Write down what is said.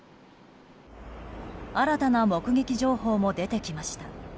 新たな目撃情報も出てきました。